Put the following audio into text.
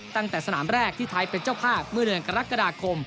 ตั้งแต่สนามแรกที่ไทยเป็นเจ้าภาพเมื่อเดือนกรกฎาคม